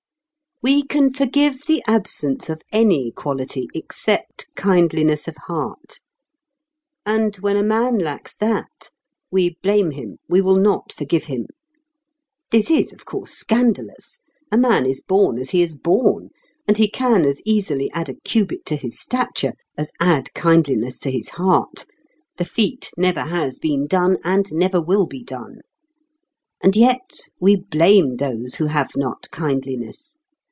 We can forgive the absence of any quality except kindliness of heart. And when a man lacks that, we blame him, we will not forgive him. This is, of course, scandalous. A man is born as he is born. And he can as easily add a cubit to his stature as add kindliness to his heart. The feat never has been done, and never will be done. And yet we blame those who have not kindliness.